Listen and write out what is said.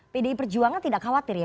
pdi perjuangan tidak khawatir ya